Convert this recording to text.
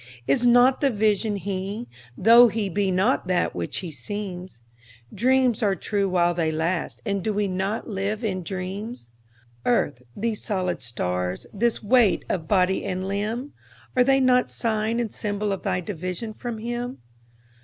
Is not the Vision He? tho' He be not that which He seems? Dreams are true while they last, and do we not live in dreams? Earth, these solid stars, this weight of body and limb, Are they not sign and symbol of thy division from Him?